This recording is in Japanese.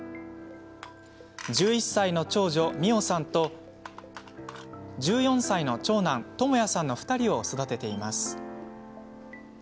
１１歳の長女みおさんと１４歳の長男ともやさんの２人を育てています。